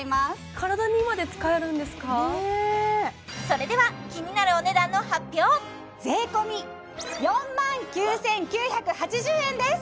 それでは気になる税込４万９９８０円です